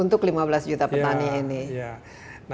untuk lima belas juta petani ini